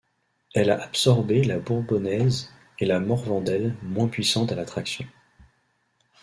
Elle a absorbé la bourbonnaise et la morvandelle moins puissantes à la traction.